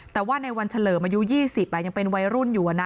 แต่ว่าในวันเฉลิมอายุยี่สิบอ่ะยังเป็นวัยรุ่นอยู่อ่ะนะ